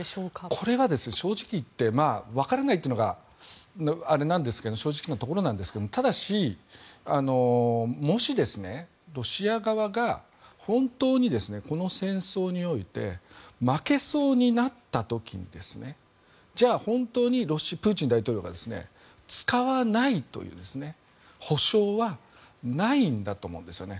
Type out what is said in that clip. これは、正直言って分からないというのが正直なところなんですけどただし、もしロシア側が本当に、この戦争において負けそうになった時にじゃあ、本当にプーチン大統領が使わないという保証はないんだと思うんですね。